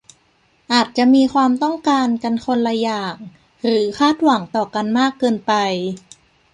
อาจจะมีความต้องการกันคนละอย่างหรือคาดหวังต่อกันมากเกินไป